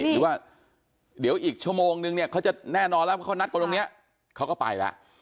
หรือว่าเดี๋ยวอีกชั่วโมงนึงเนี่ยเขาจะแน่นอนแล้วเพราะเขานัดกันตรงนี้เขาก็ไปแล้ว